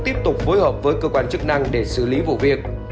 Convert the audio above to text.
tiếp tục phối hợp với cơ quan chức năng để xử lý vụ việc